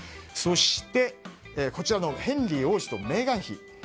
そして、ヘンリー王子とメーガン妃。